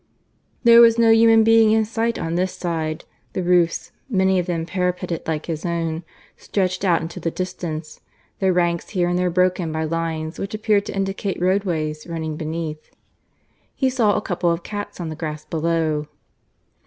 There was no human being in sight on this side; the roofs, many of them parapeted like his own, stretched out into the distance, their ranks here and there broken by lines which appeared to indicate roadways running beneath. He saw a couple of cats on the grass below.